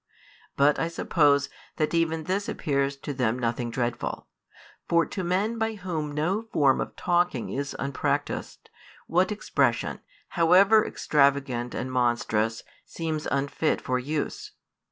But I suppose that even this appears to them nothing dreadful: for to men by whom no form of talking is unpractised, what expression, however extravagant and monstrous, seems unfit for use?